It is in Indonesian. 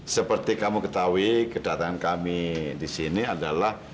seperti kamu ketahui kedatangan kami di sini adalah